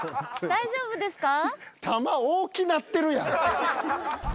大丈夫ですか？